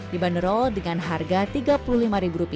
dibanderol dengan harga rp tiga puluh lima